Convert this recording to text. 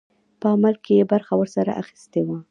په عمل کې یې برخه ورسره اخیستې وه.